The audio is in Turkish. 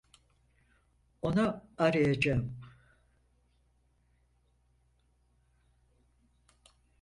Onu arayacağım.